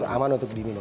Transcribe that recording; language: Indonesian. aman untuk diminum